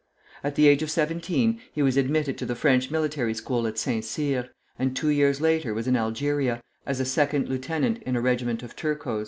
At the age of seventeen he was admitted to the French military school at Saint Cyr, and two years later was in Algeria, as a second lieutenant in a regiment of Turcos.